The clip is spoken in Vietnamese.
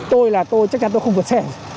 tôi là tôi chắc chắn tôi không vượt xe